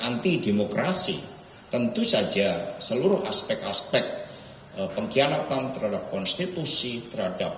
anti demokrasi tentu saja seluruh aspek aspek pengkhianatan terhadap konstitusi terhadap